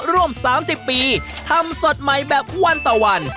ร่วม๓๐ปีทำสดใหม่แบบวันต่อวัน